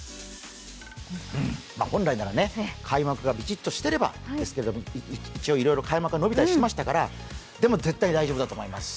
本来なら開幕がビチっとしていれば、いろいろ開幕が延びたりしましたからでも絶対大丈夫だと思います。